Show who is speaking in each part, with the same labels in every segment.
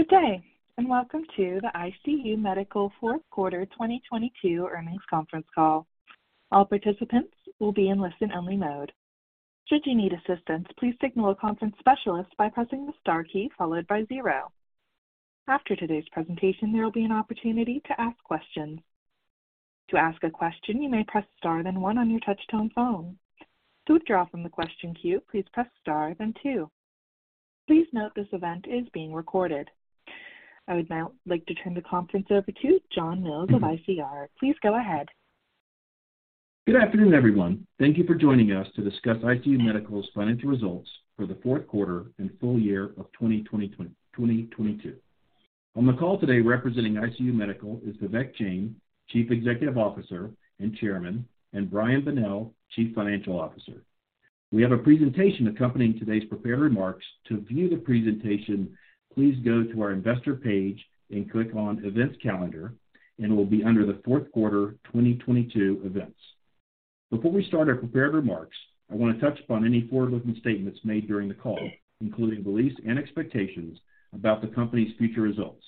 Speaker 1: Good day, welcome to the ICU Medical Fourth Quarter 2022 Earnings conference call. All participants will be in listen-only mode. Should you need assistance, please signal a conference specialist by pressing the Star key followed by zero. After today's presentation, there will be an opportunity to ask questions. To ask a question, you may press Star then one on your touch-tone phone. To withdraw from the question queue, please press Star then two. Please note this event is being recorded. I would now like to turn the conference over to John Mills of ICR. Please go ahead.
Speaker 2: Good afternoon, everyone. Thank you for joining us to discuss ICU Medical's financial results for the fourth quarter and full year of 2022. On the call today representing ICU Medical is Vivek Jain, Chief Executive Officer and Chairman, and Brian Bonnell, Chief Financial Officer. We have a presentation accompanying today's prepared remarks. To view the presentation, please go to our investor page and click on Events Calendar. It will be under the fourth quarter 2022 events. Before we start our prepared remarks, I wanna touch upon any forward-looking statements made during the call, including beliefs and expectations about the company's future results.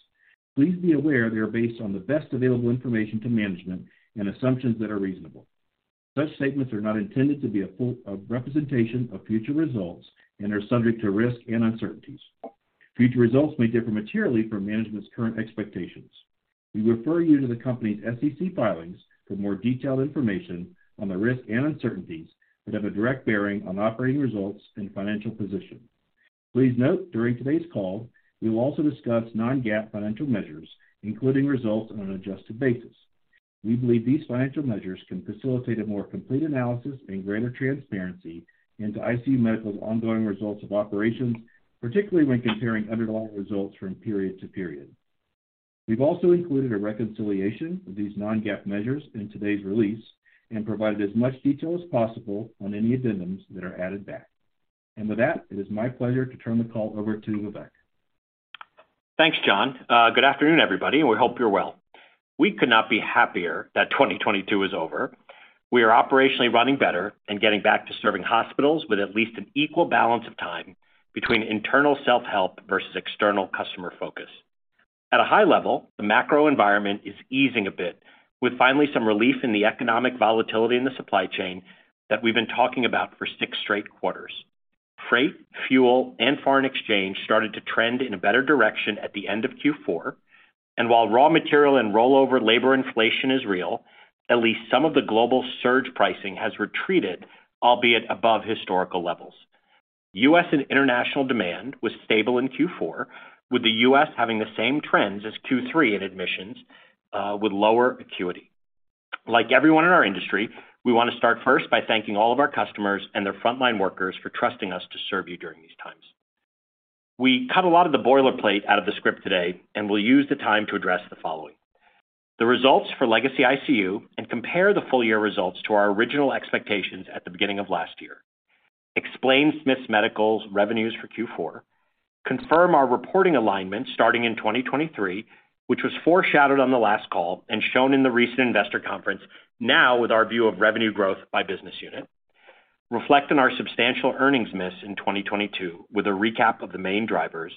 Speaker 2: Please be aware they are based on the best available information to management and assumptions that are reasonable. Such statements are not intended to be a full representation of future results and are subject to risk and uncertainties. Future results may differ materially from management's current expectations. We refer you to the company's SEC filings for more detailed information on the risk and uncertainties that have a direct bearing on operating results and financial position. Please note during today's call, we will also discuss non-GAAP financial measures, including results on an adjusted basis. We believe these financial measures can facilitate a more complete analysis and greater transparency into ICU Medical's ongoing results of operations, particularly when comparing underlying results from period to period. We've also included a reconciliation of these non-GAAP measures in today's release and provided as much detail as possible on any addendums that are added back. With that, it is my pleasure to turn the call over to Vivek.
Speaker 3: Thanks, John. Good afternoon, everybody, and we hope you're well. We could not be happier that 2022 is over. We are operationally running better and getting back to serving hospitals with at least an equal balance of time between internal self-help versus external customer focus. At a high level, the macro environment is easing a bit, with finally some relief in the economic volatility in the supply chain that we've been talking about for six straight quarters. Freight, fuel, and foreign exchange started to trend in a better direction at the end of Q4. While raw material and rollover labor inflation is real, at least some of the global surge pricing has retreated, albeit above historical levels. U.S. and international demand was stable in Q4, with the U.S. having the same trends as Q3 in admissions, with lower acuity. Like everyone in our industry, we wanna start first by thanking all of our customers and their frontline workers for trusting us to serve you during these times. We cut a lot of the boilerplate out of the script today and will use the time to address the following: The results for Legacy ICU and compare the full year results to our original expectations at the beginning of last year. Explain Smiths Medical's revenues for Q4. Confirm our reporting alignment starting in 2023, which was foreshadowed on the last call and shown in the recent investor conference now with our view of revenue growth by business unit. Reflect on our substantial earnings miss in 2022 with a recap of the main drivers.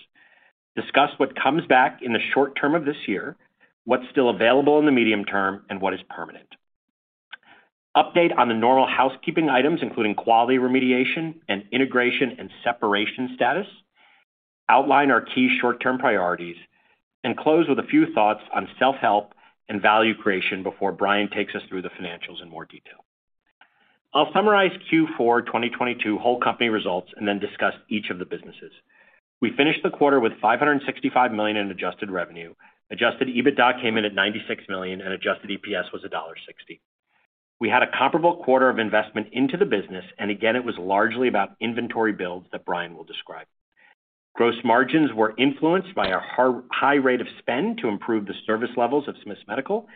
Speaker 3: Discuss what comes back in the short term of this year, what's still available in the medium term, and what is permanent. Update on the normal housekeeping items, including quality remediation and integration and separation status. Outline our key short-term priorities. Close with a few thoughts on self-help and value creation before Brian Bonnell takes us through the financials in more detail. I'll summarize Q4 2022 whole company results and then discuss each of the businesses. We finished the quarter with $565 million in adjusted revenue. Adjusted EBITDA came in at $96 million, and adjusted EPS was $1.60. We had a comparable quarter of investment into the business, and again, it was largely about inventory builds that Brian Bonnell will describe. Gross margins were influenced by our high rate of spend to improve the service levels of Smiths Medical.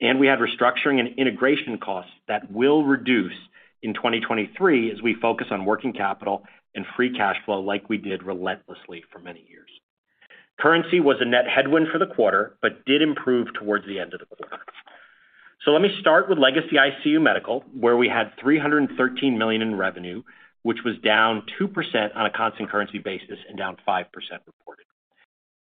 Speaker 3: We had restructuring and integration costs that will reduce in 2023 as we focus on working capital and free cash flow like we did relentlessly for many years. Currency was a net headwind for the quarter, did improve towards the end of the quarter. Let me start with Legacy ICU Medical, where we had $313 million in revenue, which was down 2% on a constant currency basis and down 5% reported.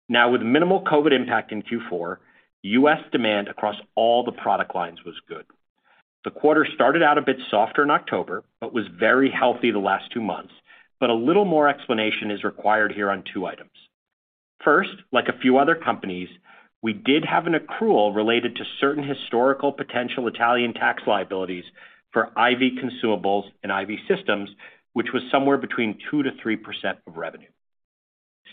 Speaker 3: Now, with minimal COVID impact in Q4, U.S. demand across all the product lines was good. The quarter started out a bit softer in October, was very healthy the last two months, a little more explanation is required here on two items. First, like a few other companies, we did have an accrual related to certain historical potential Italian tax liabilities for IV consumables and IV systems, which was somewhere between 2%-3% of revenue.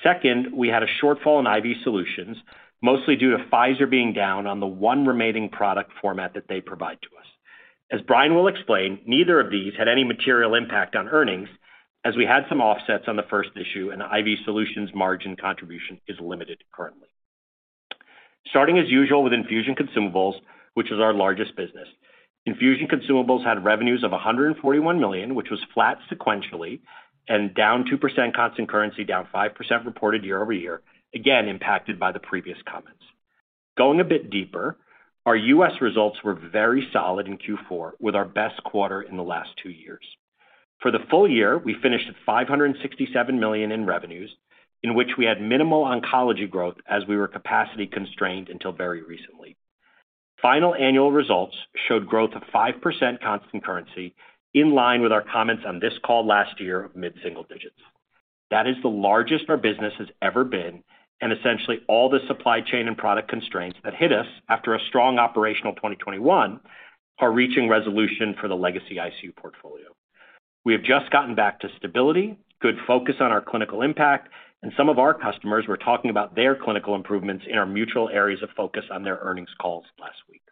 Speaker 3: Second, we had a shortfall in IV solutions, mostly due to Pfizer being down on the one remaining product format that they provide to us. As Brian will explain, neither of these had any material impact on earnings, as we had some offsets on the first issue, and the IV solutions margin contribution is limited currently. Starting as usual with infusion consumables, which is our largest business. Infusion consumables had revenues of $141 million, which was flat sequentially and down 2% constant currency, down 5% reported year-over-year, again impacted by the previous comments. Going a bit deeper, our U.S. results were very solid in Q4, with our best quarter in the last two years. For the full year, we finished at $567 million in revenues, in which we had minimal oncology growth as we were capacity constrained until very recently. Final annual results showed growth of 5% constant currency, in line with our comments on this call last year of mid-single digits. That is the largest our business has ever been. Essentially all the supply chain and product constraints that hit us after a strong operational 2021 are reaching resolution for the legacy ICU portfolio. We have just gotten back to stability, good focus on our clinical impact, and some of our customers were talking about their clinical improvements in our mutual areas of focus on their earnings calls last week.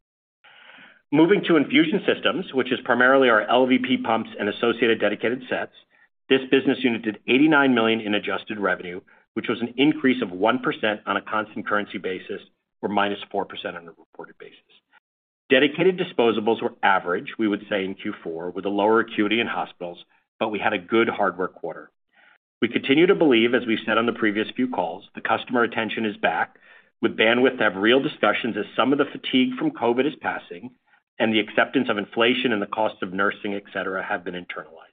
Speaker 3: Moving to infusion systems, which is primarily our LVP pumps and associated dedicated sets, this business unit did $89 million in adjusted revenue, which was an increase of 1% on a constant currency basis, or -4% on a reported basis. Dedicated disposables were average, we would say, in Q4, with a lower acuity in hospitals. We had a good hardware quarter. We continue to believe, as we've said on the previous few calls, the customer attention is back, with bandwidth to have real discussions as some of the fatigue from COVID is passing and the acceptance of inflation and the cost of nursing, et cetera, have been internalized.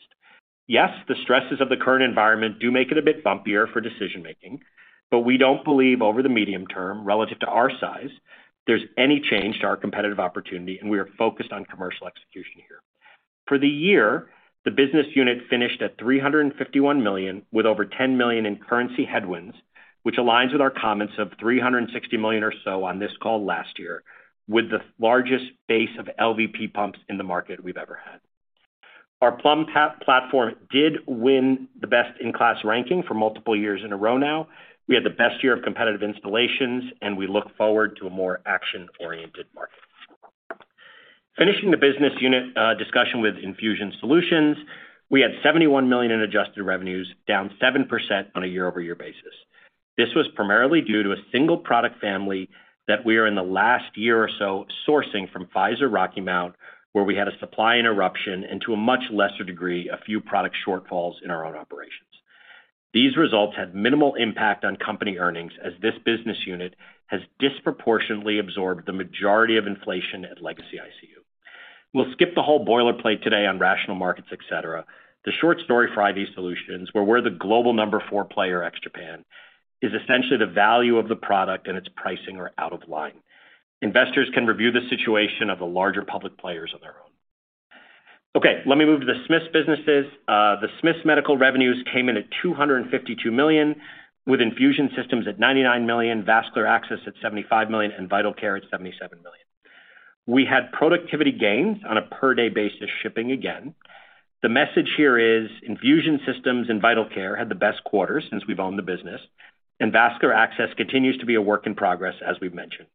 Speaker 3: Yes, the stresses of the current environment do make it a bit bumpier for decision-making, we don't believe over the medium term, relative to our size, there's any change to our competitive opportunity, and we are focused on commercial execution here. For the year, the business unit finished at $351 million, with over $10 million in currency headwinds, which aligns with our comments of $360 million or so on this call last year, with the largest base of LVP pumps in the market we've ever had. Our Plum platform did win the best-in-class ranking for multiple years in a row now. We had the best year of competitive installations, we look forward to a more action-oriented market. Finishing the business unit discussion with infusion solutions, we had $71 million in adjusted revenues, down 7% on a year-over-year basis. This was primarily due to a single product family that we are in the last year or so sourcing from Pfizer Rocky Mount, where we had a supply interruption, and to a much lesser degree, a few product shortfalls in our own operations. These results had minimal impact on company earnings, as this business unit has disproportionately absorbed the majority of inflation at legacy ICU. We'll skip the whole boilerplate today on rational markets, et cetera. The short story for IV solutions, where we're the global number four player ex-Japan, is essentially the value of the product and its pricing are out of line. Investors can review the situation of the larger public players on their own. Okay, let me move to the Smiths businesses. The Smiths Medical revenues came in at $252 million, with infusion systems at $99 million, vascular access at $75 million, and vital care at $77 million. We had productivity gains on a per-day basis shipping again. The message here is infusion systems and vital care had the best quarter since we've owned the business, and vascular access continues to be a work in progress, as we've mentioned.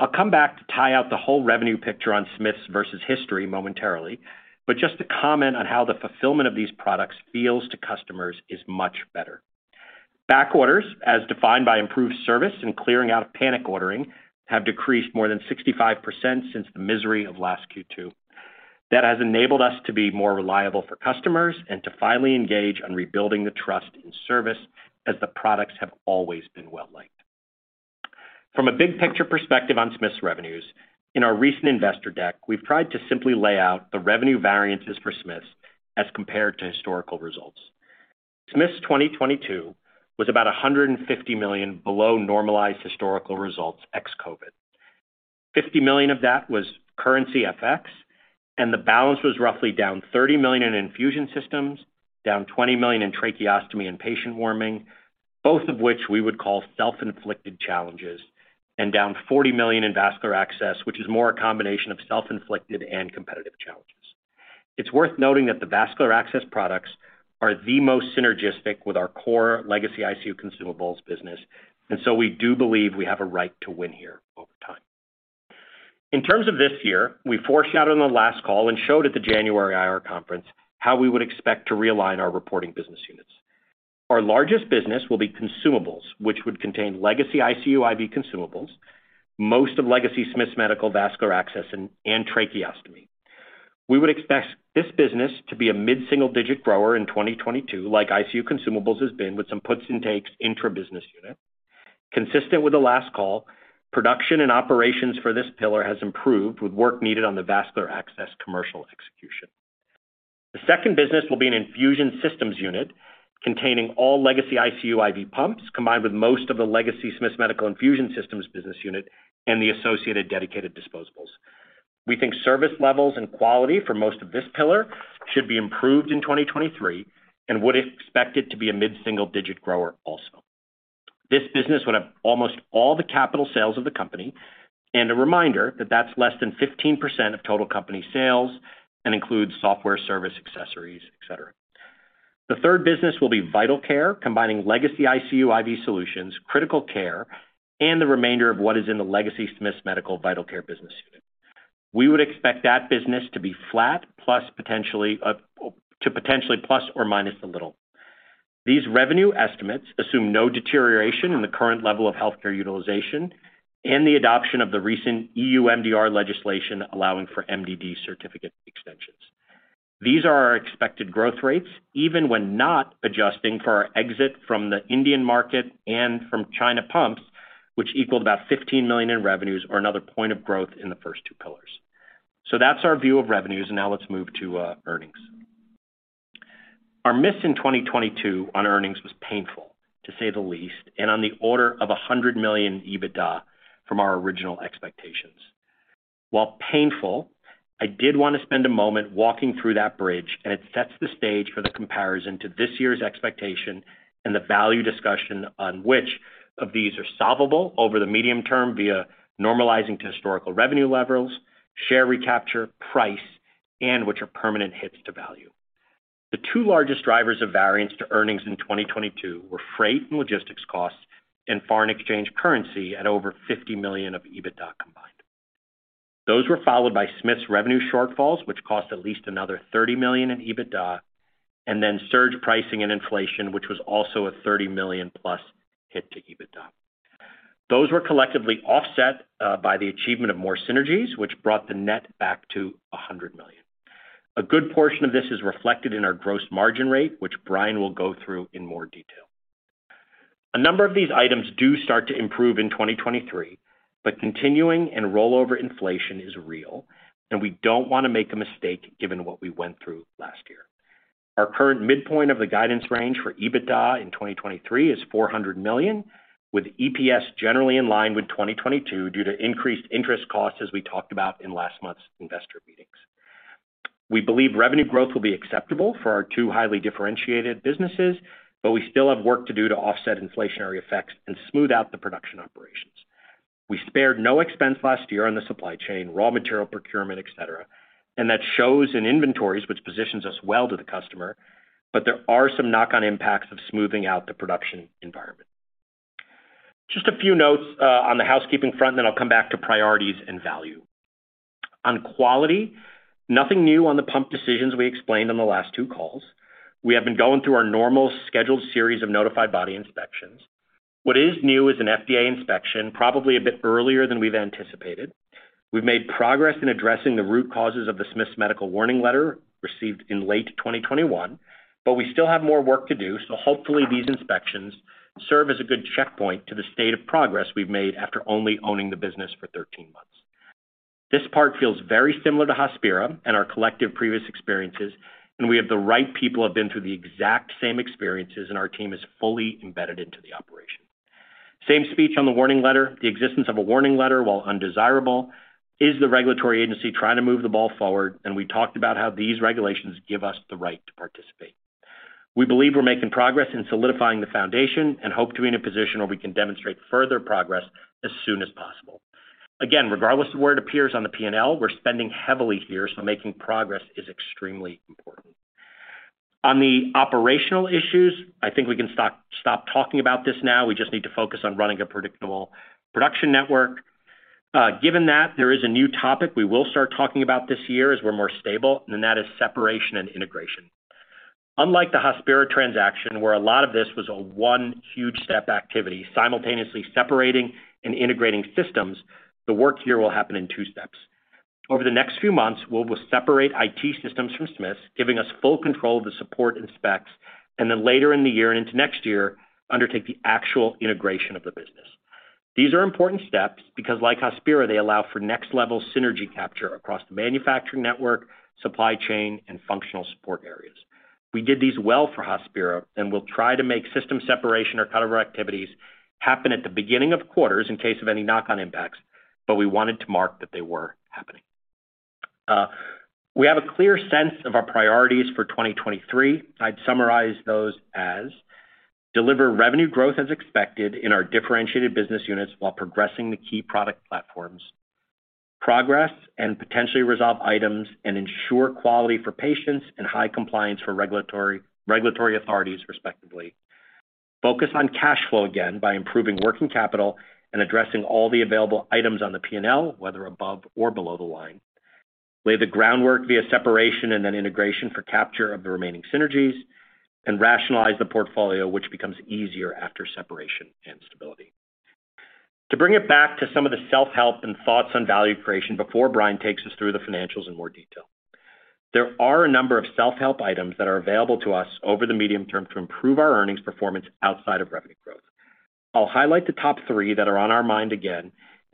Speaker 3: I'll come back to tie out the whole revenue picture on Smiths versus history momentarily, but just to comment on how the fulfillment of these products feels to customers is much better. Back orders, as defined by improved service and clearing out of panic ordering, have decreased more than 65% since the misery of last Q2. That has enabled us to be more reliable for customers and to finally engage on rebuilding the trust in service as the products have always been well-liked. From a big-picture perspective on Smiths revenues, in our recent investor deck, we've tried to simply lay out the revenue variances for Smiths as compared to historical results. Smiths 2022 was about $150 million below normalized historical results ex-COVID. $50 million of that was currency FX, and the balance was roughly down $30 million in infusion systems, down $20 million in tracheostomy and patient warming, both of which we would call self-inflicted challenges, and down $40 million in vascular access, which is more a combination of self-inflicted and competitive challenges. It's worth noting that the vascular access products are the most synergistic with our core legacy ICU consumables business, and so we do believe we have a right to win here over time. In terms of this year, we foreshadowed on the last call and showed at the January IR conference how we would expect to realign our reporting business units. Our largest business will be consumables, which would contain legacy ICU IV consumables, most of legacy Smiths Medical Vascular Access and tracheostomy. We would expect this business to be a mid-single-digit grower in 2022, like ICU consumables has been with some puts and takes intra-business unit. Consistent with the last call, production and operations for this pillar has improved with work needed on the vascular access commercial execution. The second business will be an infusion systems unit containing all legacy ICU IV pumps, combined with most of the legacy Smiths Medical Infusion Systems business unit and the associated dedicated disposables. We think service levels and quality for most of this pillar should be improved in 2023 and would expect it to be a mid-single digit grower also. This business would have almost all the capital sales of the company, a reminder that that's less than 15% of total company sales and includes software, service, accessories, et cetera. The third business will be vital care, combining legacy ICU IV solutions, critical care, and the remainder of what is in the legacy Smiths Medical Vital Care business unit. We would expect that business to be flat, plus potentially, to potentially plus or minus a little. These revenue estimates assume no deterioration in the current level of healthcare utilization and the adoption of the recent EU MDR legislation allowing for MDD certificate extensions. These are our expected growth rates even when not adjusting for our exit from the Indian market and from China pumps, which equaled about $15 million in revenues or another point of growth in the first two pillars. That's our view of revenues. Now let's move to earnings. Our miss in 2022 on earnings was painful, to say the least, and on the order of $100 million EBITDA from our original expectations. While painful, I did wanna spend a moment walking through that bridge, and it sets the stage for the comparison to this year's expectation and the value discussion on which of these are solvable over the medium term via normalizing to historical revenue levels, share recapture, price, and which are permanent hits to value. The two largest drivers of variance to earnings in 2022 were freight and logistics costs and foreign exchange currency at over $50 million of EBITDA combined. Those were followed by Smiths revenue shortfalls, which cost at least another $30 million in EBITDA, and then surge pricing and inflation, which was also a $30 million-plus hit to EBITDA. Those were collectively offset by the achievement of more synergies, which brought the net back to $100 million. A good portion of this is reflected in our gross margin rate, which Brian will go through in more detail. A number of these items do start to improve in 2023, but continuing and rollover inflation is real, and we don't wanna make a mistake given what we went through last year. Our current midpoint of the guidance range for EBITDA in 2023 is $400 million, with EPS generally in line with 2022 due to increased interest costs, as we talked about in last month's investor meetings. We believe revenue growth will be acceptable for our two highly differentiated businesses, but we still have work to do to offset inflationary effects and smooth out the production operations. We spared no expense last year on the supply chain, raw material procurement, et cetera, and that shows in inventories, which positions us well to the customer, but there are some knock-on impacts of smoothing out the production environment. Just a few notes on the housekeeping front, then I'll come back to priorities and value. On quality, nothing new on the pump decisions we explained on the last two calls. We have been going through our normal scheduled series of notified body inspections. What is new is an FDA inspection, probably a bit earlier than we've anticipated. We've made progress in addressing the root causes of the Smiths Medical warning letter received in late 2021, but we still have more work to do, so hopefully these inspections serve as a good checkpoint to the state of progress we've made after only owning the business for 13 months. This part feels very similar to Hospira and our collective previous experiences. We have the right people who have been through the exact same experiences. Our team is fully embedded into the operation. Same speech on the warning letter. The existence of a warning letter, while undesirable, is the regulatory agency trying to move the ball forward. We talked about how these regulations give us the right to participate. We believe we're making progress in solidifying the foundation and hope to be in a position where we can demonstrate further progress as soon as possible. Again, regardless of where it appears on the P&L, we're spending heavily here. Making progress is extremely important. On the operational issues, I think we can stop talking about this now. We just need to focus on running a predictable production network. Given that, there is a new topic we will start talking about this year as we're more stable, and that is separation and integration. Unlike the Hospira transaction, where a lot of this was a one huge step activity, simultaneously separating and integrating systems, the work here will happen in two steps. Over the next few months, we will separate IT systems from Smiths, giving us full control of the support and specs, and then later in the year and into next year, undertake the actual integration of the business. These are important steps because like Hospira, they allow for next-level synergy capture across the manufacturing network, supply chain, and functional support areas. We did these well for Hospira. We'll try to make system separation or cutover activities happen at the beginning of quarters in case of any knock-on impacts. We wanted to mark that they were happening. We have a clear sense of our priorities for 2023. I'd summarize those as deliver revenue growth as expected in our differentiated business units while progressing the key product platforms. Progress and potentially resolve items and ensure quality for patients and high compliance for regulatory authorities respectively. Focus on cash flow again by improving working capital and addressing all the available items on the P&L, whether above or below the line. Lay the groundwork via separation and then integration for capture of the remaining synergies. Rationalize the portfolio, which becomes easier after separation and stability. To bring it back to some of the self-help and thoughts on value creation before Brian takes us through the financials in more detail. There are a number of self-help items that are available to us over the medium term to improve our earnings performance outside of revenue growth. I'll highlight the top three that are on our mind again,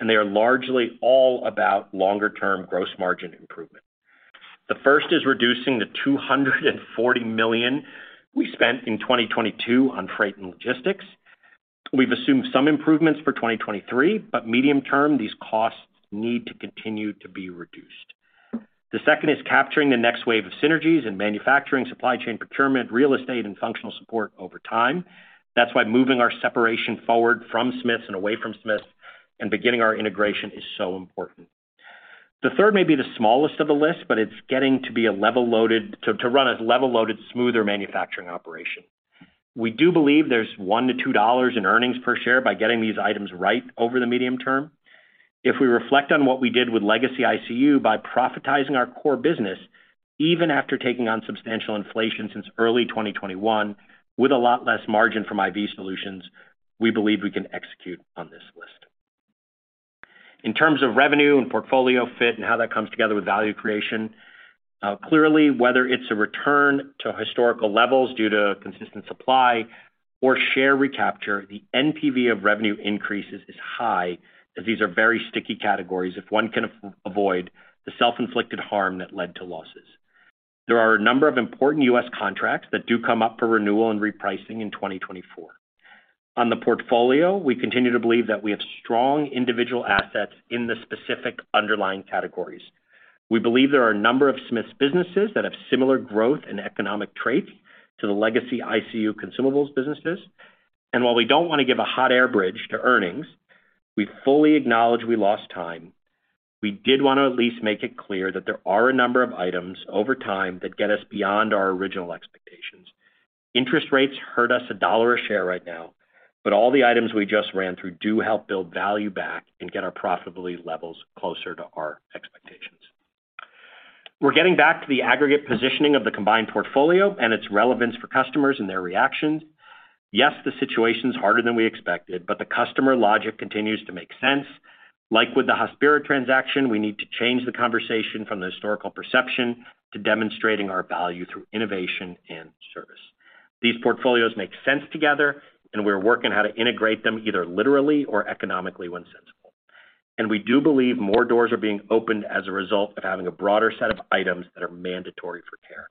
Speaker 3: they are largely all about longer-term gross margin improvement. The first is reducing the $240 million we spent in 2022 on freight and logistics. We've assumed some improvements for 2023, medium term, these costs need to continue to be reduced. The second is capturing the next wave of synergies in manufacturing, supply chain procurement, real estate, and functional support over time. That's why moving our separation forward from Smiths and away from Smiths and beginning our integration is so important. The third may be the smallest of the list, but it's getting to be a level-loaded to run a level-loaded, smoother manufacturing operation. We do believe there's $1-$2 in earnings per share by getting these items right over the medium term. If we reflect on what we did with legacy ICU by profitizing our core business, even after taking on substantial inflation since early 2021, with a lot less margin from IV solutions, we believe we can execute on this list. In terms of revenue and portfolio fit and how that comes together with value creation, clearly, whether it's a return to historical levels due to consistent supply or share recapture, the NPV of revenue increases is high, as these are very sticky categories, if one can avoid the self-inflicted harm that led to losses. There are a number of important U.S. contracts that do come up for renewal and repricing in 2024. On the portfolio, we continue to believe that we have strong individual assets in the specific underlying categories. We believe there are a number of Smiths businesses that have similar growth and economic traits to the legacy ICU Medical consumables businesses. While we don't wanna give a hot air bridge to earnings, we fully acknowledge we lost time. We did wanna at least make it clear that there are a number of items over time that get us beyond our original expectations. Interest rates hurt us $1 a share right now, but all the items we just ran through do help build value back and get our profitability levels closer to our expectations. We're getting back to the aggregate positioning of the combined portfolio and its relevance for customers and their reactions. The situation's harder than we expected, but the customer logic continues to make sense. Like with the Hospira transaction, we need to change the conversation from the historical perception to demonstrating our value through innovation and service. These portfolios make sense together, we're working how to integrate them either literally or economically when sensible. We do believe more doors are being opened as a result of having a broader set of items that are mandatory for care.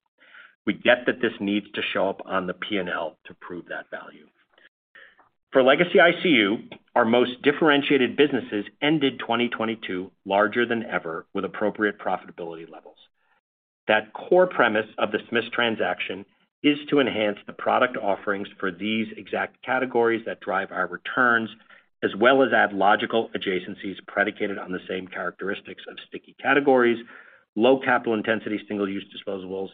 Speaker 3: We get that this needs to show up on the P&L to prove that value. For legacy ICU, our most differentiated businesses ended 2022 larger than ever with appropriate profitability levels. That core premise of the Smiths transaction is to enhance the product offerings for these exact categories that drive our returns, as well as add logical adjacencies predicated on the same characteristics of sticky categories, low capital intensity, single-use disposables,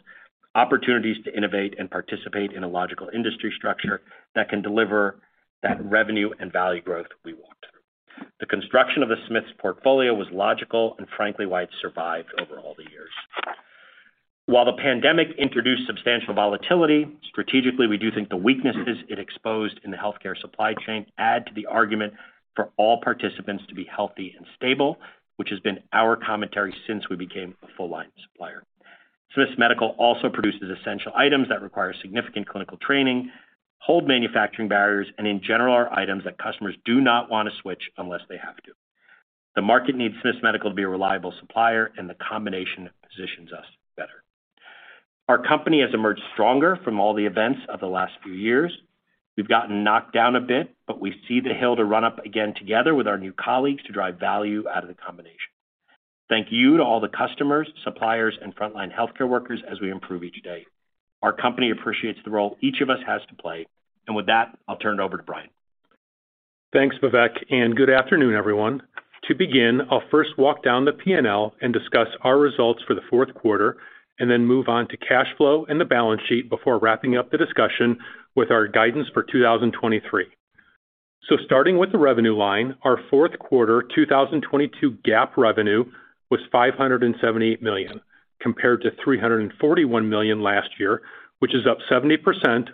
Speaker 3: opportunities to innovate and participate in a logical industry structure that can deliver that revenue and value growth we want. The construction of the Smiths portfolio was logical and frankly, why it survived over all the years. While the pandemic introduced substantial volatility, strategically, we do think the weaknesses it exposed in the healthcare supply chain add to the argument for all participants to be healthy and stable, which has been our commentary since we became a full line supplier. Smiths Medical also produces essential items that require significant clinical training, hold manufacturing barriers, and in general, are items that customers do not wanna switch unless they have to. The market needs Smiths Medical to be a reliable supplier. The combination positions us better. Our company has emerged stronger from all the events of the last few years. We've gotten knocked down a bit. We see the hill to run up again together with our new colleagues to drive value out of the combination. Thank you to all the customers, suppliers, and frontline healthcare workers as we improve each day. Our company appreciates the role each of us has to play. With that, I'll turn it over to Brian.
Speaker 4: Thanks, Vivek, good afternoon, everyone. To begin, I'll first walk down the P&L and discuss our results for the fourth quarter, then move on to cash flow and the balance sheet before wrapping up the discussion with our guidance for 2023. Starting with the revenue line, our fourth quarter 2022 GAAP revenue was $578 million, compared to $341 million last year, which is up 70%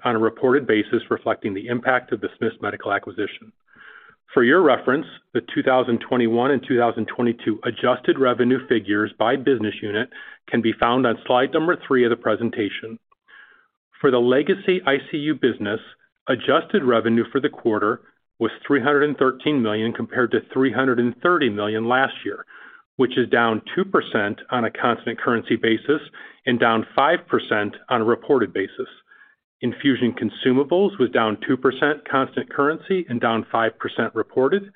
Speaker 4: on a reported basis reflecting the impact of the Smiths Medical acquisition. For your reference, the 2021 and 2022 adjusted revenue figures by business unit can be found on slide number three of the presentation. For the legacy ICU business, adjusted revenue for the quarter was $313 million compared to $330 million last year, which is down 2% on a constant currency basis and down 5% on a reported basis. Infusion consumables was down 2% constant currency and down 5% reported.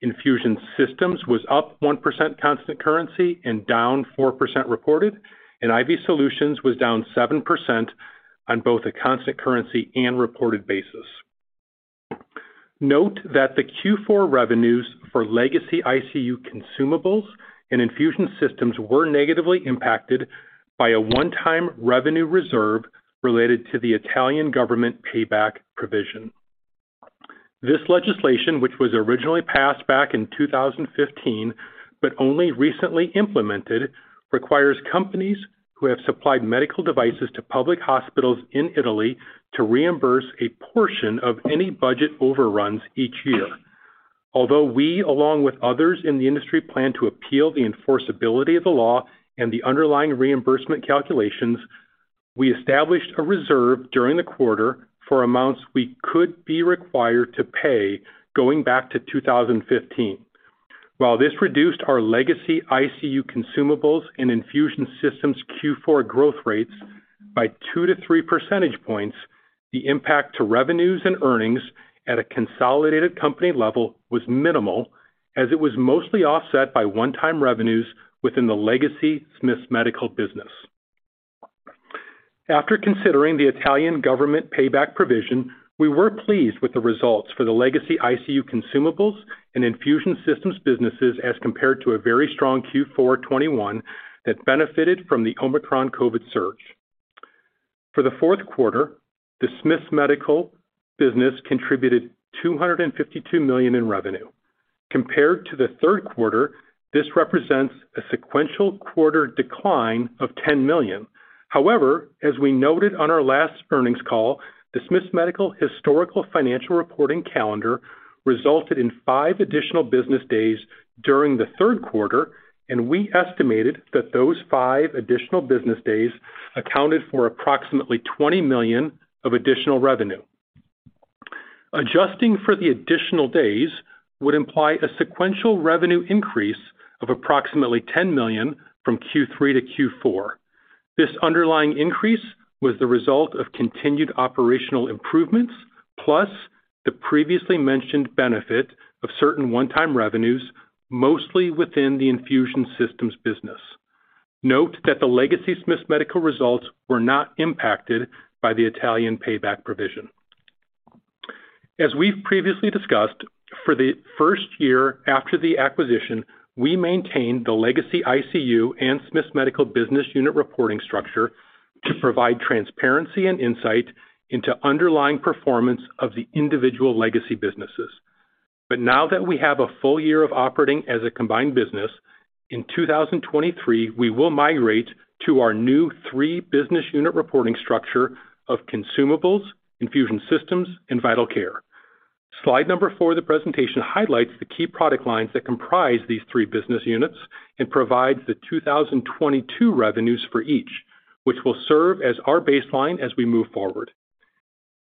Speaker 4: Infusion systems was up 1% constant currency and down 4% reported. IV solutions was down 7% on both a constant currency and reported basis. Note that the Q4 revenues for legacy ICU consumables and infusion systems were negatively impacted by a one-time revenue reserve related to the Italian government payback provision. This legislation, which was originally passed back in 2015 but only recently implemented, requires companies who have supplied medical devices to public hospitals in Italy to reimburse a portion of any budget overruns each year. Although we, along with others in the industry, plan to appeal the enforceability of the law and the underlying reimbursement calculations, we established a reserve during the quarter for amounts we could be required to pay going back to 2015. While this reduced our legacy ICU consumables and infusion systems Q4 growth rates by 2-3 percentage points, the impact to revenues and earnings at a consolidated company level was minimal, as it was mostly offset by one-time revenues within the legacy Smiths Medical business. After considering the Italian government payback provision, we were pleased with the results for the legacy ICU consumables and infusion systems businesses as compared to a very strong Q4 2021 that benefited from the Omicron COVID surge. For the fourth quarter, the Smiths Medical business contributed $252 million in revenue compared to the third quarter. This represents a sequential quarter decline of $10 million. As we noted on our last earnings call, the Smiths Medical historical financial reporting calendar resulted in five additional business days during the third quarter, and we estimated that those five additional business days accounted for approximately $20 million of additional revenue. Adjusting for the additional days would imply a sequential revenue increase of approximately $10 million from Q3 to Q4. This underlying increase was the result of continued operational improvements, plus the previously mentioned benefit of certain one-time revenues, mostly within the infusion systems business. Note that the legacy Smiths Medical results were not impacted by the Italian payback provision. As we've previously discussed, for the first year after the acquisition, we maintained the legacy ICU and Smiths Medical business unit reporting structure to provide transparency and insight into underlying performance of the individual legacy businesses. Now that we have a full year of operating as a combined business, in 2023, we will migrate to our new three business unit reporting structure of consumables, infusion systems, and vital care. Slide number four of the presentation highlights the key product lines that comprise these three business units and provides the 2022 revenues for each, which will serve as our baseline as we move forward.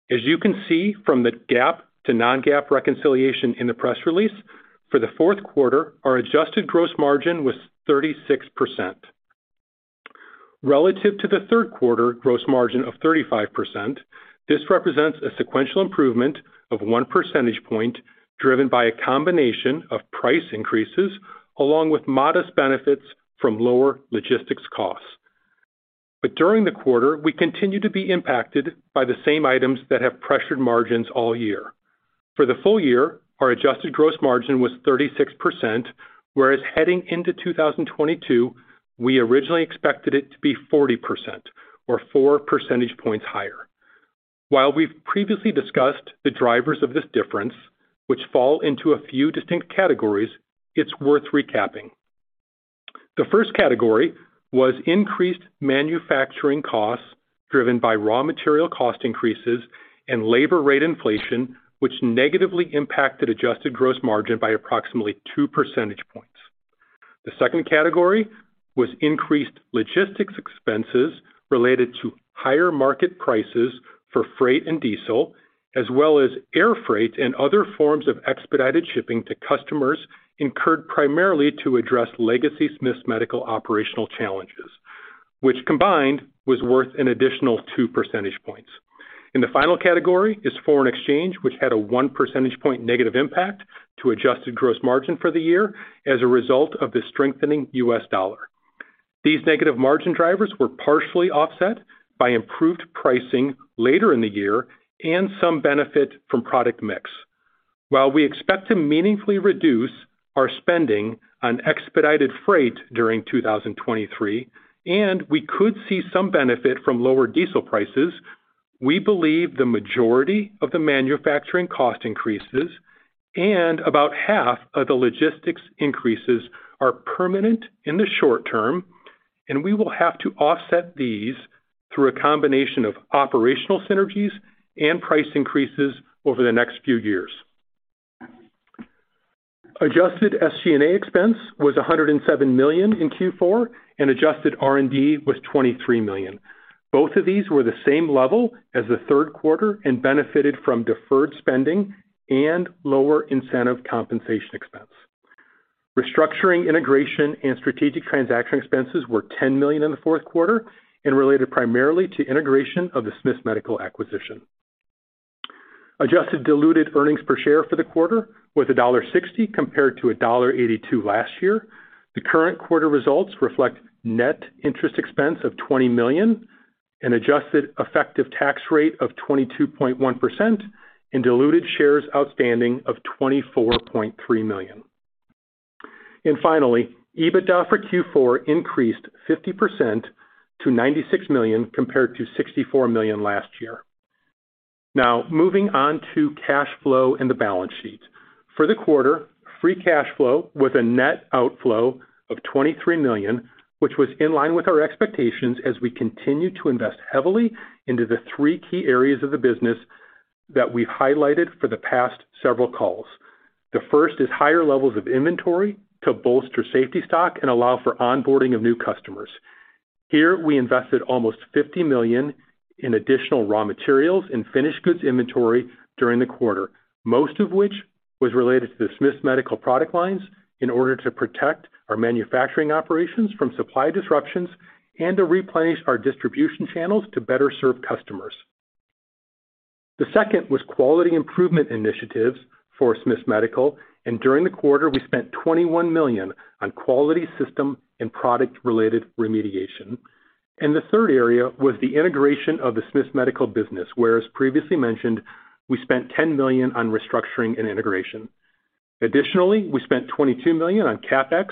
Speaker 4: As you can see from the GAAP to non-GAAP reconciliation in the press release, for the fourth quarter, our adjusted gross margin was 36%. Relative to the third quarter gross margin of 35%, this represents a sequential improvement of one percentage point, driven by a combination of price increases along with modest benefits from lower logistics costs. During the quarter, we continued to be impacted by the same items that have pressured margins all year. For the full year, our adjusted gross margin was 36%, whereas heading into 2022, we originally expected it to be 40% or 4 percentage points higher. While we've previously discussed the drivers of this difference, which fall into a few distinct categories, it's worth recapping. The first category was increased manufacturing costs driven by raw material cost increases and labor rate inflation, which negatively impacted adjusted gross margin by approximately two percentage points. The second category was increased logistics expenses related to higher market prices for freight and diesel, as well as air freight and other forms of expedited shipping to customers incurred primarily to address legacy Smiths Medical operational challenges, which combined was worth an additional two percentage points. The final category is foreign exchange, which had a one percentage point negative impact to adjusted gross margin for the year as a result of the strengthening U.S. dollar. These negative margin drivers were partially offset by improved pricing later in the year and some benefit from product mix. While we expect to meaningfully reduce our spending on expedited freight during 2023, and we could see some benefit from lower diesel prices, we believe the majority of the manufacturing cost increases and about half of the logistics increases are permanent in the short term, and we will have to offset these through a combination of operational synergies and price increases over the next few years. Adjusted SG&A expense was $107 million in Q4, and adjusted R&D was $23 million. Both of these were the same level as the third quarter and benefited from deferred spending and lower incentive compensation expense. Restructuring, integration, and strategic transaction expenses were $10 million in the fourth quarter and related primarily to integration of the Smiths Medical acquisition. Adjusted diluted earnings per share for the quarter was $1.60 compared to $1.82 last year. The current quarter results reflect net interest expense of $20 million, an adjusted effective tax rate of 22.1%, and diluted shares outstanding of 24.3 million. Finally, EBITDA for Q4 increased 50% to $96 million compared to $64 million last year. Moving on to cash flow and the balance sheet. For the quarter, free cash flow was a net outflow of $23 million, which was in line with our expectations as we continued to invest heavily into the three key areas of the business that we've highlighted for the past several calls. The first is higher levels of inventory to bolster safety stock and allow for onboarding of new customers. Here, we invested almost $50 million in additional raw materials and finished goods inventory during the quarter, most of which was related to the Smiths Medical product lines in order to protect our manufacturing operations from supply disruptions and to replenish our distribution channels to better serve customers. During the quarter, we spent $21 million on quality system and product-related remediation. The third area was the integration of the Smiths Medical business, where, as previously mentioned, we spent $10 million on restructuring and integration. Additionally, we spent $22 million on CapEx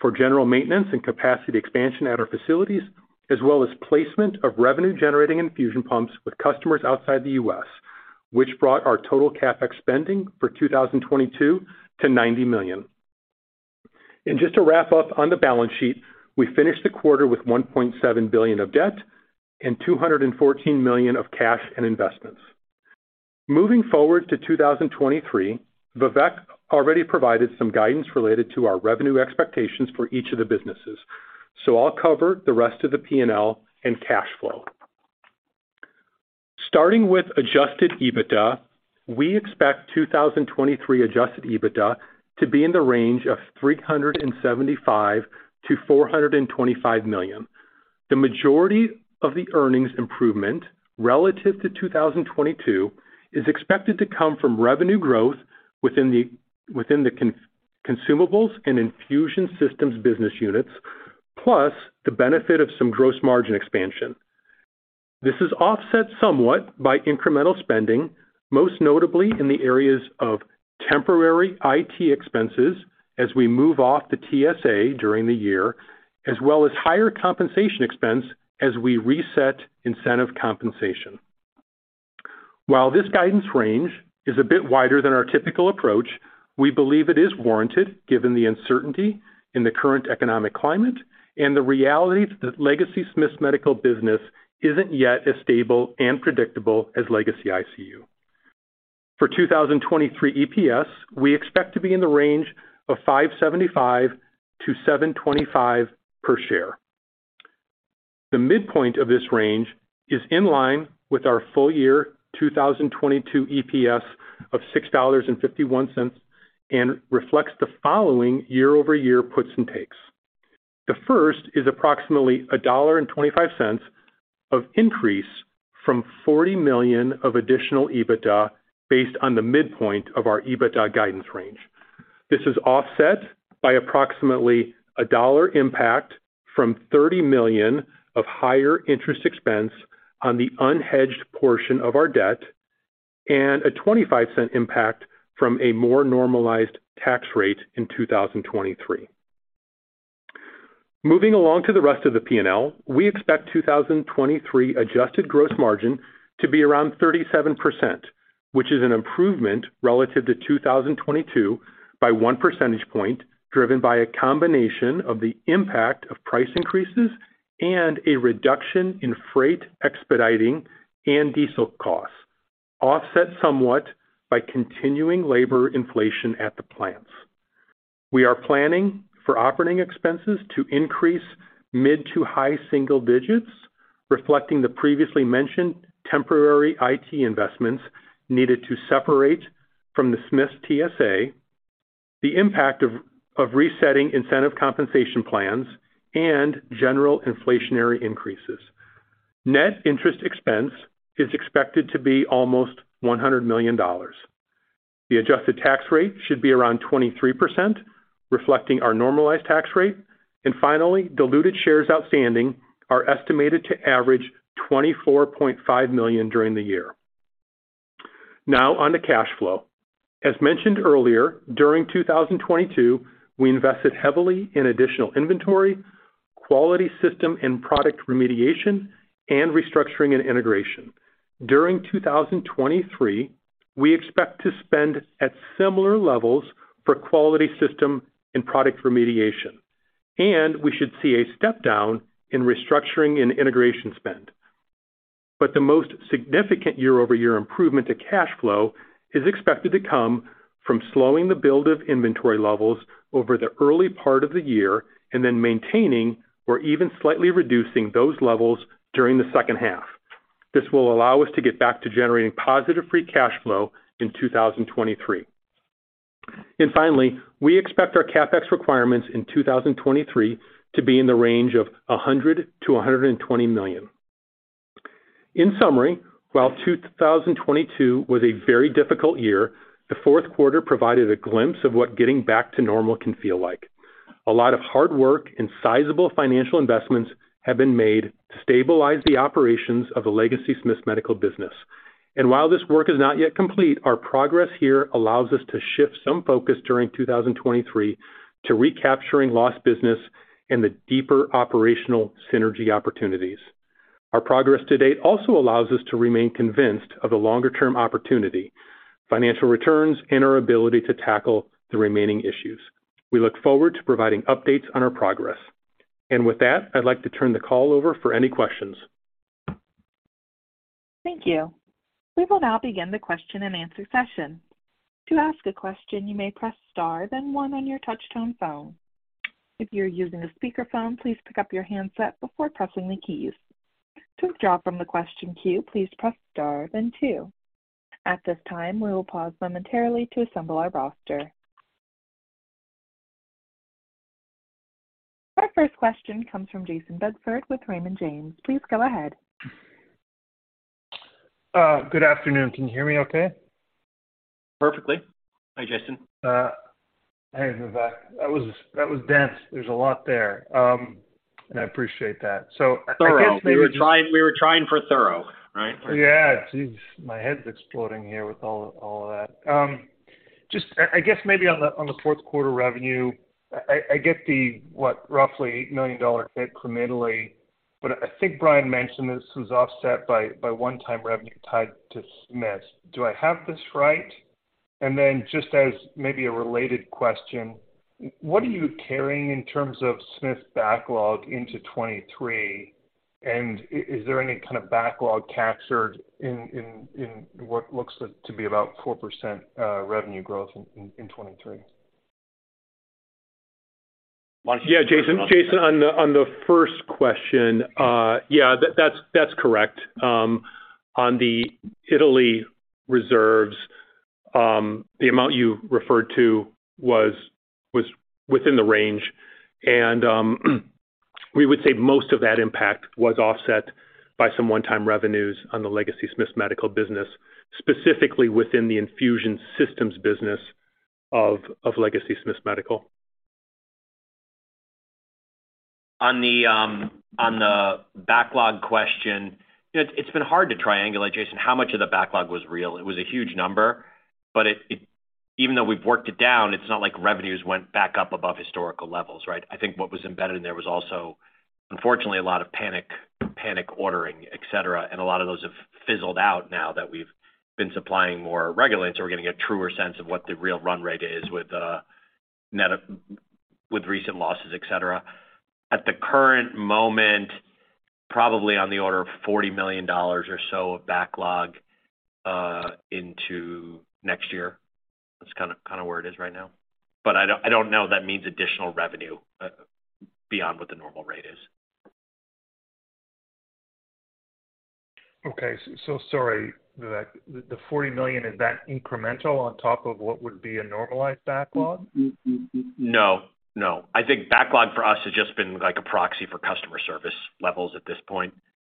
Speaker 4: for general maintenance and capacity expansion at our facilities, as well as placement of revenue-generating infusion pumps with customers outside the U.S. Which brought our total CapEx spending for 2022 to $90 million. Just to wrap up on the balance sheet, we finished the quarter with $1.7 billion of debt and $214 million of cash and investments. Moving forward to 2023, Vivek already provided some guidance related to our revenue expectations for each of the businesses, so I'll cover the rest of the P&L and cash flow. Starting with adjusted EBITDA, we expect 2023 adjusted EBITDA to be in the range of $375 million-$425 million. The majority of the earnings improvement relative to 2022 is expected to come from revenue growth within the consumables and infusion systems business units, plus the benefit of some gross margin expansion. This is offset somewhat by incremental spending, most notably in the areas of temporary IT expenses as we move off the TSA during the year, as well as higher compensation expense as we reset incentive compensation. While this guidance range is a bit wider than our typical approach, we believe it is warranted given the uncertainty in the current economic climate and the reality that legacy Smiths Medical business isn't yet as stable and predictable as legacy ICU. For 2023 EPS, we expect to be in the range of $5.75-$7.25 per share. The midpoint of this range is in line with our full year 2022 EPS of $6.51 and reflects the following year-over-year puts and takes. The first is approximately $1.25 of increase from $40 million of additional EBITDA based on the midpoint of our EBITDA guidance range. This is offset by approximately $1 impact from $30 million of higher interest expense on the unhedged portion of our debt and a $0.25 impact from a more normalized tax rate in 2023. Moving along to the rest of the P&L, we expect 2023 adjusted gross margin to be around 37%, which is an improvement relative to 2022 by one percentage point, driven by a combination of the impact of price increases and a reduction in freight expediting and diesel costs, offset somewhat by continuing labor inflation at the plants. We are planning for operating expenses to increase mid to high single digits, reflecting the previously mentioned temporary IT investments needed to separate from the Smiths TSA, the impact of resetting incentive compensation plans and general inflationary increases. Net interest expense is expected to be almost $100 million. The adjusted tax rate should be around 23%, reflecting our normalized tax rate. Finally, diluted shares outstanding are estimated to average 24.5 million during the year. Now on to cash flow. As mentioned earlier, during 2022, we invested heavily in additional inventory, quality system and product remediation, and restructuring and integration. During 2023, we expect to spend at similar levels for quality system and product remediation, and we should see a step down in restructuring and integration spend. The most significant year-over-year improvement to cash flow is expected to come from slowing the build of inventory levels over the early part of the year and then maintaining or even slightly reducing those levels during the second half. This will allow us to get back to generating positive free cash flow in 2023. Finally, we expect our CapEx requirements in 2023 to be in the range of $100 million-$120 million. In summary, while 2022 was a very difficult year, the fourth quarter provided a glimpse of what getting back to normal can feel like. A lot of hard work and sizable financial investments have been made to stabilize the operations of the legacy Smiths Medical business. While this work is not yet complete, our progress here allows us to shift some focus during 2023 to recapturing lost business and the deeper operational synergy opportunities. Our progress to date also allows us to remain convinced of the longer-term opportunity, financial returns, and our ability to tackle the remaining issues. We look forward to providing updates on our progress. With that, I'd like to turn the call over for any questions.
Speaker 1: Thank you. We will now begin the question and answer session. To ask a question, you may press star then one on your touchtone phone. If you're using a speakerphone, please pick up your handset before pressing the keys. To withdraw from the question queue, please press star then two. At this time, we will pause momentarily to assemble our roster. Our first question comes from Jayson Bedford with Raymond James. Please go ahead.
Speaker 5: Good afternoon. Can you hear me okay?
Speaker 4: Perfectly. Hi, Jayson.
Speaker 5: Hey, Vivek. That was dense. There's a lot there. I appreciate that. I guess maybe.
Speaker 4: Thorough. We were trying, we were trying for thorough, right?
Speaker 5: Yeah. Jeez, my head's exploding here with all of that. Just, I guess maybe on the fourth quarter revenue, I get the roughly $8 million hit from Italy. But I think Brian mentioned this was offset by one time revenue tied to Smiths. Do I have this right? Just as maybe a related question, what are you carrying in terms of Smiths backlog into 23? Is there any kind of backlog captured in what looks to be about 4% revenue growth in 23?
Speaker 4: Yeah. Jayson, on the first question, yeah, that's correct. On the Italy reserves, the amount you referred to was within the range. We would say most of that impact was offset by some one-time revenues on the legacy Smiths Medical business, specifically within the infusion systems business of legacy Smiths Medical.
Speaker 3: On the on the backlog question, you know, it's been hard to triangulate, Jayson, how much of the backlog was real. It was a huge number, but even though we've worked it down, it's not like revenues went back up above historical levels, right? I think what was embedded in there was also, unfortunately, a lot of panic ordering, et cetera. A lot of those have fizzled out now that we've been supplying more regularly. We're getting a truer sense of what the real run rate is with recent losses, et cetera. At the current moment, probably on the order of $40 million or so of backlog into next year. That's kinda where it is right now. I don't know that means additional revenue beyond what the normal rate is.
Speaker 5: Okay. Sorry. The $40 million, is that incremental on top of what would be a normalized backlog?
Speaker 3: No, no. I think backlog for us has just been like a proxy for customer service levels at this point.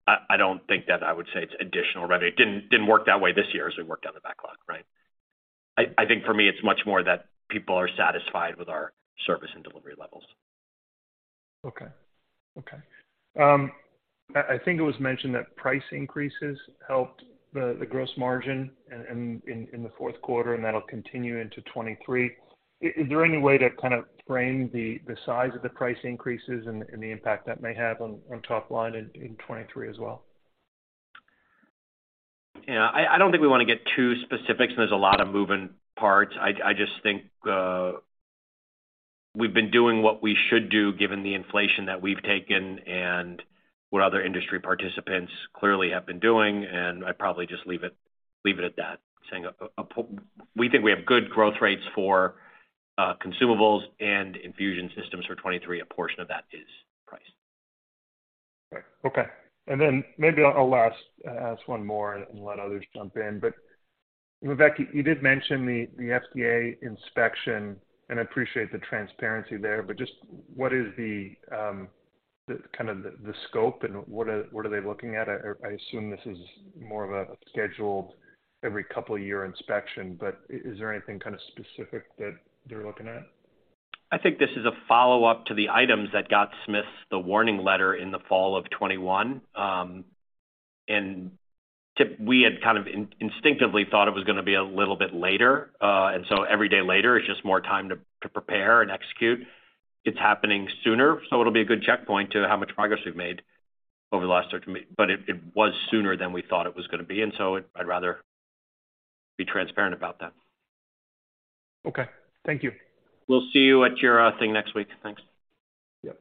Speaker 3: I don't think that I would say it's additional revenue. It didn't work that way this year as we worked on the backlog, right? I think for me, it's much more that people are satisfied with our service and delivery levels.
Speaker 5: Okay. I think it was mentioned that price increases helped the gross margin in the fourth quarter, and that'll continue into 2023. Is there any way to kind of frame the size of the price increases and the impact that may have on top line in 2023 as well?
Speaker 3: I don't think we wanna get too specific. There's a lot of moving parts. I just think we've been doing what we should do given the inflation that we've taken and what other industry participants clearly have been doing, and I'd probably just leave it at that. Saying we think we have good growth rates for consumables and infusion systems for 23. A portion of that is price.
Speaker 5: Okay. Maybe I'll last ask one more and let others jump in. Vivek, you did mention the FDA inspection, and I appreciate the transparency there, but just what is the kinda the scope and what are they looking at? I assume this is more of a scheduled every couple year inspection, but is there anything kinda specific that they're looking at?
Speaker 3: I think this is a follow-up to the items that got Smiths the warning letter in the fall of 21. We had kind of instinctively thought it was gonna be a little bit later. Every day later is just more time to prepare and execute. It's happening sooner, so it'll be a good checkpoint to how much progress we've made over the last 30. It was sooner than we thought it was gonna be, I'd rather be transparent about that.
Speaker 5: Okay, thank you.
Speaker 3: We'll see you at your thing next week. Thanks.
Speaker 5: Yep.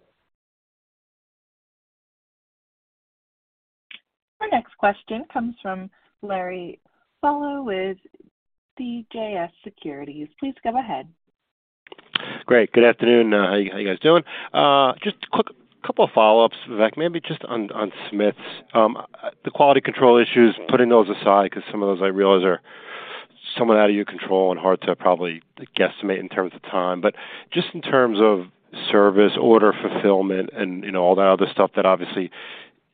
Speaker 4: Our next question comes from Larry Solow with CJS Securities. Please go ahead.
Speaker 6: Great. Good afternoon. How you guys doing? Just quick couple of follow-ups, Vivek. Maybe just on Smiths. The quality control issues, putting those aside, 'cause some of those I realize are somewhat out of your control and hard to probably guesstimate in terms of time. Just in terms of service, order fulfillment, and, you know, all that other stuff that obviously,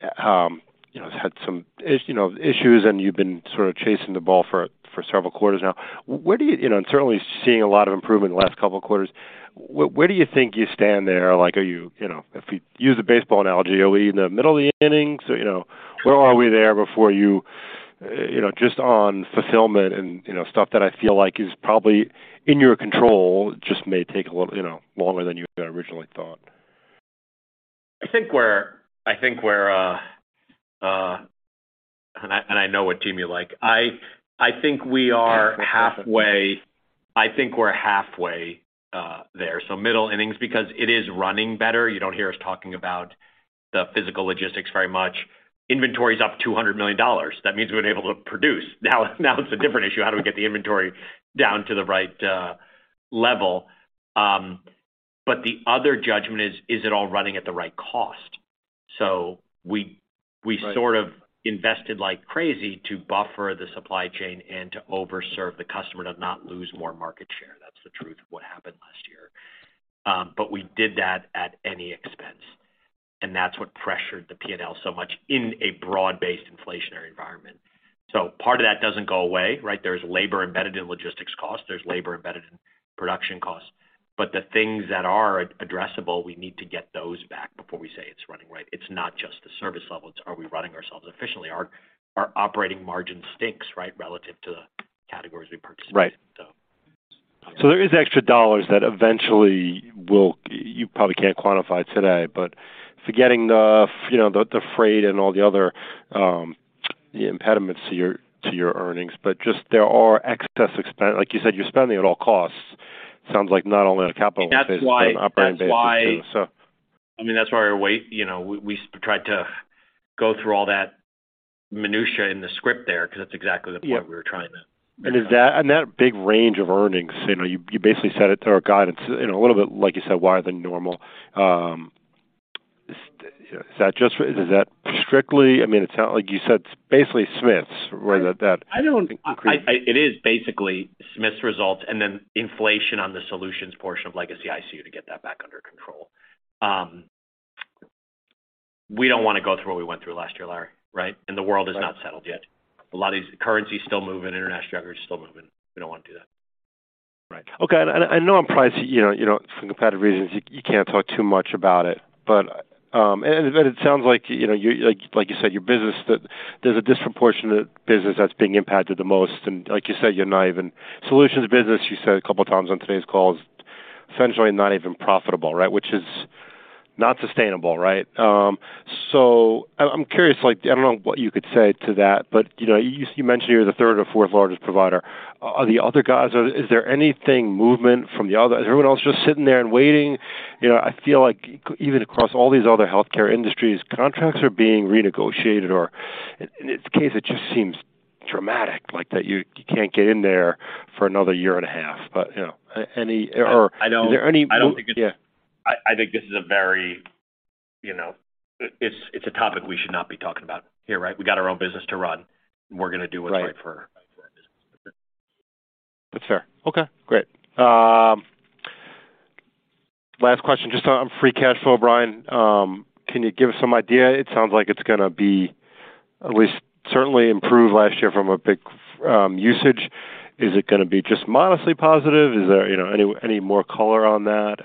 Speaker 6: you know, has had some issues and you've been sort of chasing the ball for several quarters now. You know, certainly seeing a lot of improvement in the last couple of quarters. Where do you think you stand there? Like, are you know, if you use a baseball analogy, are we in the middle of the innings or, you know, where are we there before you know, just on fulfillment and, you know, stuff that I feel like is probably in your control, just may take a little, you know, longer than you had originally thought?
Speaker 3: I think we're. I know what team you like. I think we are halfway. I think we're halfway there, so middle innings, because it is running better. You don't hear us talking about the physical logistics very much. Inventory is up $200 million. That means we've been able to produce. Now it's a different issue how do we get the inventory down to the right level. The other judgment is it all running at the right cost? We sort of invested like crazy to buffer the supply chain and to overserve the customer to not lose more market share. That's the truth of what happened last year. We did that at any expense, and that's what pressured the P&L so much in a broad-based inflationary environment. Part of that doesn't go away, right? There's labor embedded in logistics costs. There's labor embedded in production costs. The things that are addressable, we need to get those back before we say it's running right. It's not just the service level, it's are we running ourselves efficiently? Our operating margin stinks, right, relative to the categories we participate in.
Speaker 6: There is extra dollars that eventually will. You probably can't quantify today, but forgetting the you know, the freight and all the other impediments to your earnings, but just there are excess expense. Like you said, you're spending at all costs. Sounds like not only on a capital basis.
Speaker 3: That's why-
Speaker 6: An operating basis too.
Speaker 3: I mean, that's why our weight, you know, we tried to go through all that minutiae in the script there because that's exactly the point we were trying.
Speaker 6: That big range of earnings, you know, you basically set it to our guidance, you know, a little bit, like you said, wider than normal. Is that strictly? I mean, it sound like you said basically Smiths where that.
Speaker 3: It is basically Smiths' results and then inflation on the solutions portion of legacy ICU to get that back under control. We don't wanna go through what we went through last year, Larry, right? The world is not settled yet. A lot of these currencies still moving, international averages still moving. We don't wanna do that.
Speaker 6: Right. Okay. I know I'm probably, you know, you know, for competitive reasons, you can't talk too much about it. But it sounds like, you know, like you said, your business, that there's a disproportionate business that's being impacted the most. Like you said, you're not even... Solutions business, you said a couple times on today's call, is essentially not even profitable, right? Which is not sustainable, right? I'm curious, like, I don't know what you could say to that, but, you know, you mentioned you're the third or fourth largest provider. Are the other guys is there anything movement from the other? Is everyone else just sitting there and waiting? You know, I feel like even across all these other healthcare industries, contracts are being renegotiated or... In its case, it just seems dramatic like that you can't get in there for another year and a half. You know, any or.
Speaker 3: I know-
Speaker 6: Is there.
Speaker 3: I don't think it's-
Speaker 6: Yeah.
Speaker 3: I think this is a very, you know. It's a topic we should not be talking about here, right? We got our own business to run. We're gonna do what's right for our business.
Speaker 6: That's fair. Okay, great. Last question? Just on free cash flow, Brian, can you give us some idea? It sounds like it's gonna be at least certainly improved last year from a big usage. Is it gonna be just modestly positive? Is there, you know, any more color on that?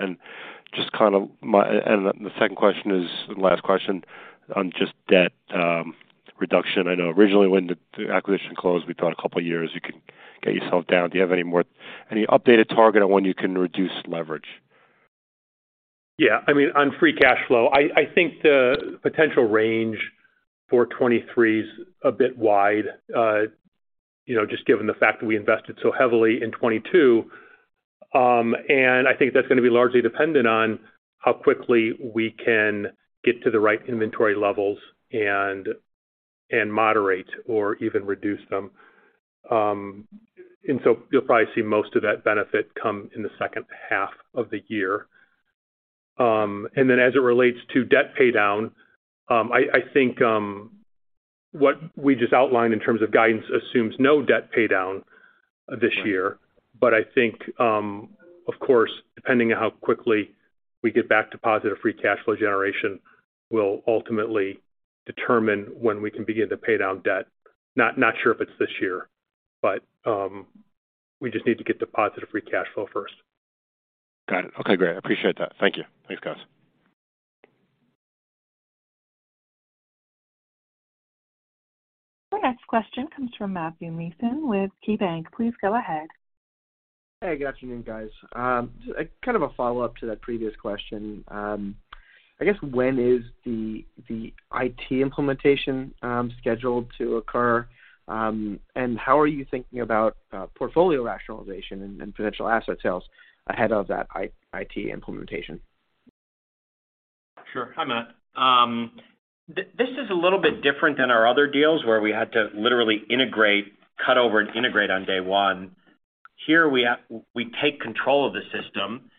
Speaker 6: Just kind of my... The second question is, last question on just debt reduction. I know originally when the acquisition closed, we thought a couple of years you could get yourself down. Do you have any updated target on when you can reduce leverage?
Speaker 4: Yeah. I mean, on free cash flow, I think the potential range for 2023 is a bit wide, you know, just given the fact that we invested so heavily in 2022. I think that's gonna be largely dependent on how quickly we can get to the right inventory levels and moderate or even reduce them. You'll probably see most of that benefit come in the second half of the year. As it relates to debt paydown, I think what we just outlined in terms of guidance assumes no debt paydown this year. I think, of course, depending on how quickly we get back to positive free cash flow generation will ultimately determine when we can begin to pay down debt. Not sure if it's this year, but, we just need to get to positive free cash flow first.
Speaker 6: Got it. Okay, great. I appreciate that. Thank you. Thanks, guys.
Speaker 1: Our next question comes from Matthew Mishan with KeyBanc. Please go ahead.
Speaker 7: Hey, good afternoon, guys. Kind of a follow-up to that previous question. I guess when is the IT implementation scheduled to occur? How are you thinking about portfolio rationalization and potential asset sales ahead of that IT implementation?
Speaker 3: Sure. Hi, Matt. This is a little bit different than our other deals where we had to literally integrate, cut over, and integrate on day one. Here we take control of the system,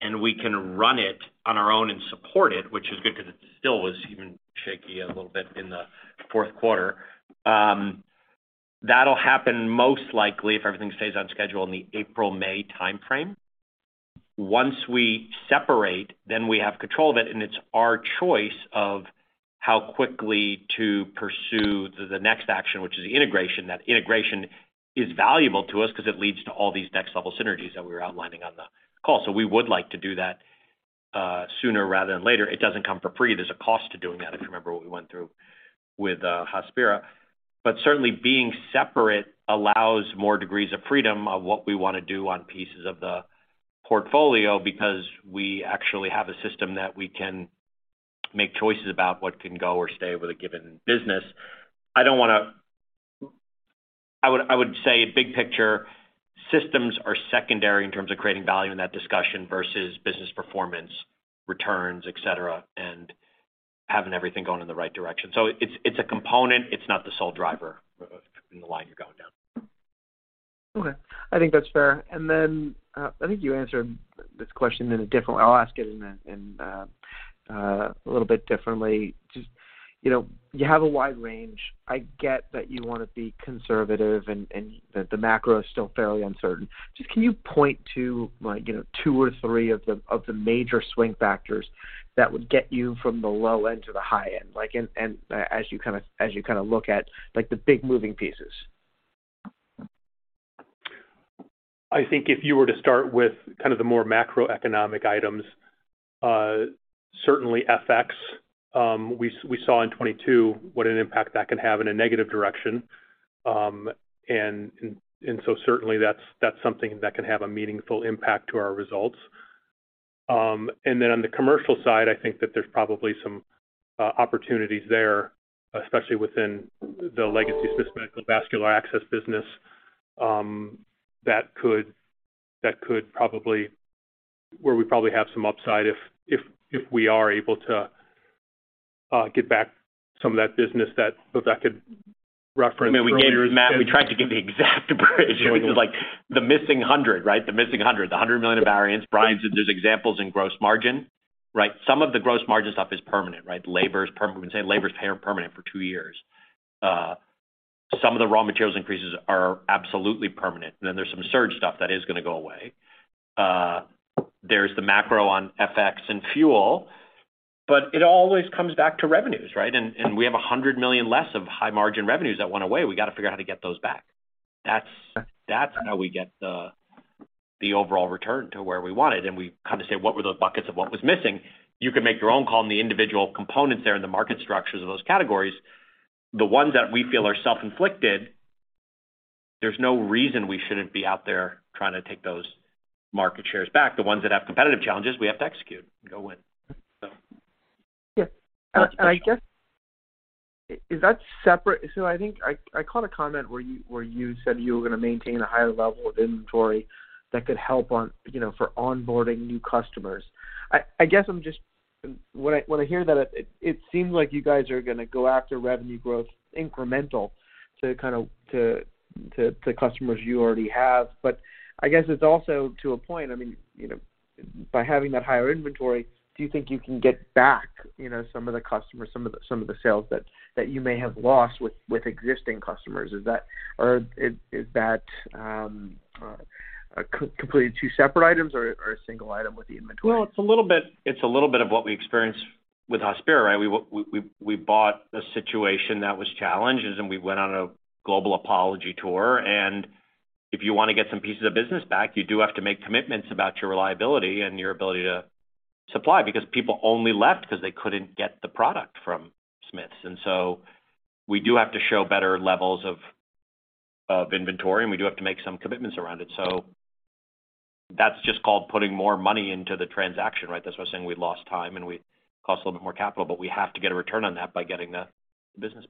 Speaker 3: and we can run it on our own and support it, which is good 'cause it still was even shaky a little bit in the fourth quarter. That'll happen most likely if everything stays on schedule in the April, May timeframe. Once we separate, we have control of it, and it's our choice of how quickly to pursue the next action, which is the integration. That integration is valuable to us 'cause it leads to all these next level synergies that we were outlining on the call. We would like to do that sooner rather than later. It doesn't come for free. There's a cost to doing that, if you remember what we went through with Hospira. Certainly being separate allows more degrees of freedom of what we wanna do on pieces of the portfolio because we actually have a system that we can make choices about what can go or stay with a given business. I don't wanna... I would say big picture, systems are secondary in terms of creating value in that discussion versus business performance, returns, et cetera, and having everything going in the right direction. It's, it's a component, it's not the sole driver in the line you're going down.
Speaker 7: Okay. I think that's fair. Then, I think you answered this question in a different way. I'll ask it in a little bit differently. You know, you have a wide range. I get that you wanna be conservative and, the macro is still fairly uncertain. Can you point to like, you know, two or three of the major swing factors that would get you from the low end to the high end? Like, as you kinda look at like the big moving pieces.
Speaker 4: I think if you were to start with kind of the more macroeconomic items, certainly FX, we saw in 22 what an impact that can have in a negative direction. Certainly that's something that can have a meaningful impact to our results. On the commercial side, I think that there's probably some opportunities there, especially within the legacy system, medical vascular access business, where we probably have some upside if we are able to get back some of that business that Vivek could reference earlier.
Speaker 3: I mean, we tried to give the exact breakdown. This is, like, the missing $100, right? The missing $100. The $100 million of variance. Brian said there's examples in gross margin, right? Some of the gross margin stuff is permanent, right? Labor is permanent. We can say labor is pay or permanent for 2 years. Some of the raw materials increases are absolutely permanent. There's some surge stuff that is gonna go away. There's the macro on FX and fuel, it always comes back to revenues, right? We have a $100 million less of high margin revenues that went away. We gotta figure out how to get those back. That's how we get the overall return to where we want it, we kinda say, what were those buckets of what was missing? You can make your own call on the individual components there and the market structures of those categories. The ones that we feel are self-inflicted, there's no reason we shouldn't be out there trying to take those market shares back. The ones that have competitive challenges, we have to execute and go win.
Speaker 7: Yeah. I guess, is that separate? I think I caught a comment where you said you were gonna maintain a higher level of inventory that could help on, you know, for onboarding new customers. I guess I'm just... When I hear that, it seems like you guys are gonna go after revenue growth incremental to kind of, to customers you already have. I guess it's also to a point, I mean, you know, by having that higher inventory, do you think you can get back, you know, some of the customers, some of the sales that you may have lost with existing customers? Is that? Or is that completed two separate items or a single item with the inventory?
Speaker 3: It's a little bit of what we experienced with Hospira, right? We bought a situation that was challenged, and then we went on a global apology tour. If you wanna get some pieces of business back, you do have to make commitments about your reliability and your ability to supply, because people only left because they couldn't get the product from Smiths. We do have to show better levels of inventory, and we do have to make some commitments around it. That's just called putting more money into the transaction, right? That's why I was saying we lost time and we cost a little bit more capital, but we have to get a return on that by getting the business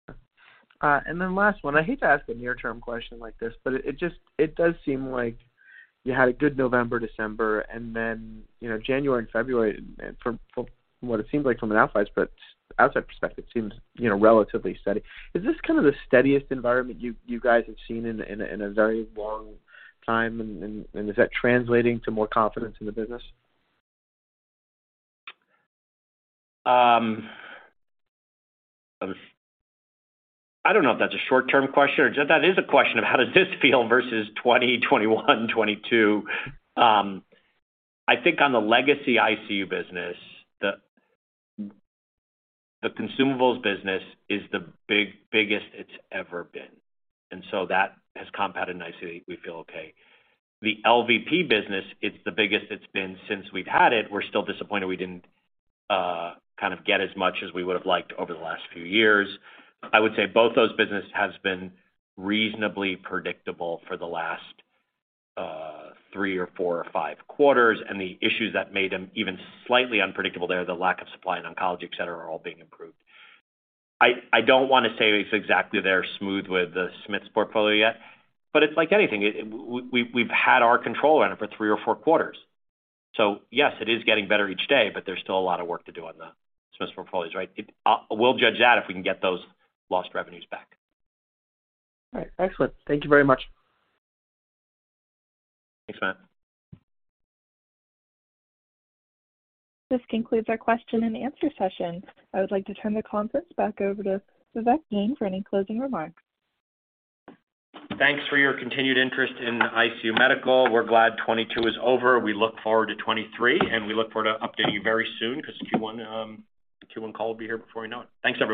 Speaker 3: back.
Speaker 7: Last one. I hate to ask a near-term question like this, but it does seem like you had a good November, December, and then, you know, January and February from what it seems like from an outside perspective, it seems, you know, relatively steady. Is this kind of the steadiest environment you guys have seen in a very long time? Is that translating to more confidence in the business?
Speaker 3: I don't know if that's a short-term question or That is a question of how does this feel versus 2020, 2021, 2022. I think on the legacy ICU business, the consumables business is the biggest it's ever been, and so that has compounded nicely. We feel okay. The LVP business, it's the biggest it's been since we've had it. We're still disappointed we didn't get as much as we would have liked over the last few years. I would say both those business has been reasonably predictable for the last 3 or 4 or 5 quarters, and the issues that made them even slightly unpredictable there, the lack of supply and oncology, et cetera, are all being improved. I don't wanna say it's exactly there smooth with the Smiths portfolio yet, but it's like anything. We've had our control on it for 3 or 4 quarters. Yes, it is getting better each day, but there's still a lot of work to do on the Smiths portfolios, right? We'll judge that if we can get those lost revenues back.
Speaker 7: All right. Excellent. Thank you very much.
Speaker 3: Thanks, Matt.
Speaker 1: This concludes our question and answer session. I would like to turn the conference back over to Vivek Jain for any closing remarks.
Speaker 3: Thanks for your continued interest in ICU Medical. We're glad 2022 is over. We look forward to 2023. We look forward to updating you very soon, 'cause Q1, the Q1 call will be here before you know it. Thanks, everyone.